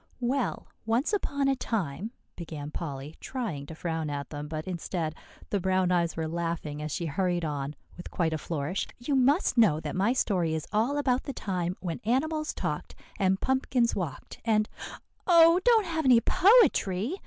"Well, once upon a time," began Polly, trying to frown at them; but instead, the brown eyes were laughing as she hurried on, with quite a flourish. "You must know that my story is all about the time when animals talked, and pumpkins walked, and" "Oh, don't have any poetry!"